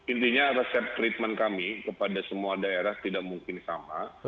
intinya resep treatment kami kepada semua daerah tidak mungkin sama